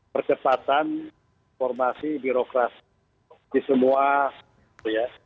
percepatan formasi birokrasi di semua itu ya